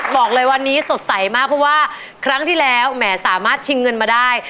บอกเลยวันนี้สดใสมากเพราะว่าครั้งที่แล้วแหมสามารถชิงเงินมาได้